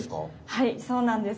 はいそうなんです。